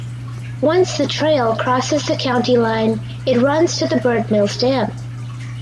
Once the trail crosses the county line it runs to the Burnt Mills Dam.